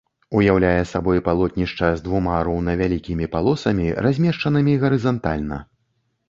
Уяўляе сабой палотнішча з двума роўнавялікімі палосамі, размешчанымі гарызантальна.